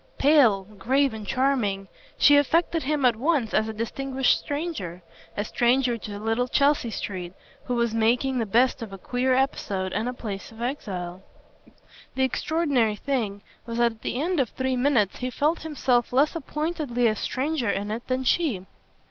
Pale, grave and charming, she affected him at once as a distinguished stranger a stranger to the little Chelsea street who was making the best of a queer episode and a place of exile. The extraordinary thing was that at the end of three minutes he felt himself less appointedly a stranger in it than she.